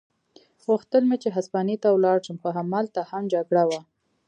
غوښتل مې چې هسپانیې ته ولاړ شم، خو همالته هم جګړه وه.